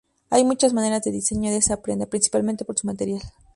Hay muchas maneras de diseño de esta prenda, principalmente por su material.